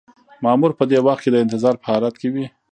مامور په دې وخت کې د انتظار په حالت کې وي.